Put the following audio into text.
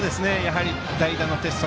代打の鉄則